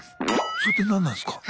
それって何なんすか？